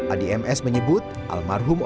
adi ms menyebut almarhum odi